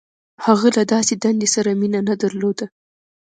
• هغه له داسې دندې سره مینه نهدرلوده.